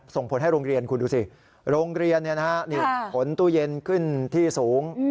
ส่งผลให้โรงเรียนคุณดูสิโรงเรียนขนตู้เย็นขึ้นที่สูง